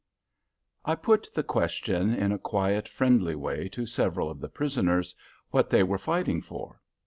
I put the question, in a quiet, friendly way, to several of the prisoners, what they were fighting for.